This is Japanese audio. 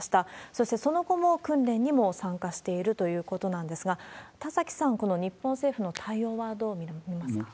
そして、その後も訓練にも参加しているということなんですが、田崎さん、この日本政府の対応はどう見られてますか？